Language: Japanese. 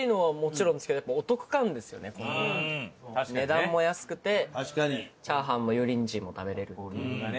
値段も安くてチャーハンも油淋鶏も食べられるっていう。